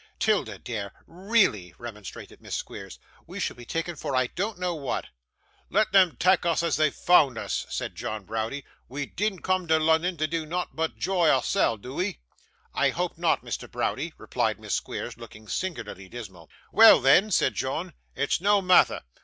''Tilda, dear, really,' remonstrated Miss Squeers, 'we shall be taken for I don't know what.' 'Let them tak' us as they foind us,' said John Browdie; 'we dean't come to Lunnun to do nought but 'joy oursel, do we?' 'I hope not, Mr. Browdie,' replied Miss Squeers, looking singularly dismal. 'Well, then,' said John, 'it's no matther.